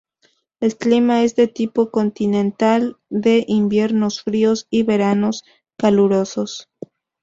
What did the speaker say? El clima es de tipo continental, de inviernos fríos y veranos calurosos.